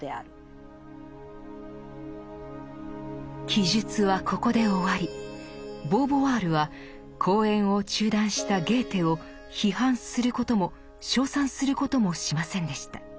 記述はここで終わりボーヴォワールは講演を中断したゲーテを批判することも称賛することもしませんでした。